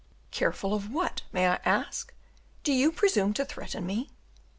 "Careful of what, may I ask? Do you presume to threaten me?"